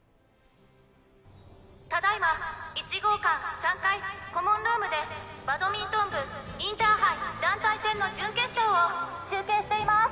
ただいま１号館３階コモンルームでバドミントン部インターハイ団体戦の準決勝を中継しています。